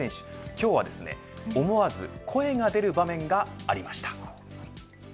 今日は、思わず声が出る場面がありました。